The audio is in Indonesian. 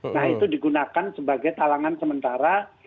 nah itu digunakan sebagai talangan sementara